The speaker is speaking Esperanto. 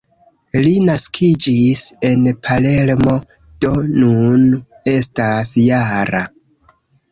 Li naskiĝis en Palermo, do nun estas -jara.